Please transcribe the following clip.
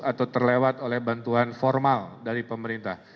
atau terlewat oleh bantuan formal dari pemerintah